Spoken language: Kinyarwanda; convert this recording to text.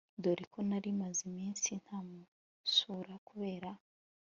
dore ko nari maze iminsi ntamusura kubera